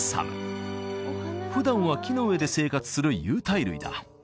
普段は木の上で生活する有袋類だ